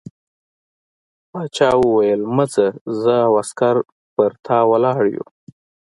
باچا وویل مه ځه زه او عسکر پر تا ولاړ یو.